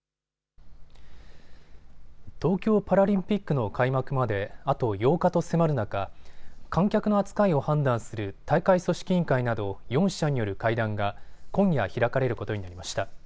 東京パラリンピックの開幕まであと８日と迫る中、観客の扱いを判断する大会組織委員会など４者による会談が今夜開かれることになりました。